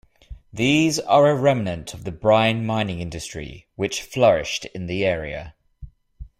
These are a remnant of the brine mining industry which flourished in the area.